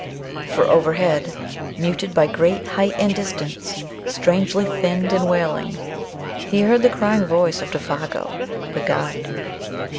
Far overhead, muted by great height and distance, strangely thinned and wailing, he heard the crying voice of Défago, the guide.